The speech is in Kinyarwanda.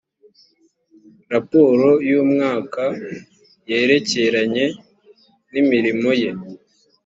raporo y umwaka yerekeranye n imirimo ye